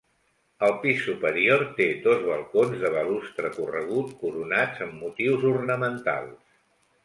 El pis superior té dos balcons de balustre corregut coronats amb motius ornamentals.